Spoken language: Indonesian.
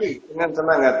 oh dengan senang hati